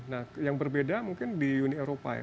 nah yang berbeda mungkin di uni eropa ya